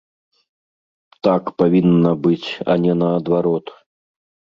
Так павінна быць, а не наадварот.